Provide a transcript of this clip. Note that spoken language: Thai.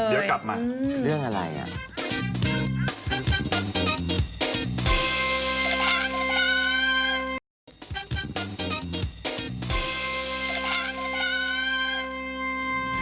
ที่เขาได้แบบว่าเยอะเลย